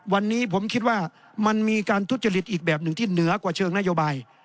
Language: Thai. วันนี้ผมคิดว่ามันมีการทุจริตอีกแบบหนึ่งที่เหนือกว่าเชิงนโยบาย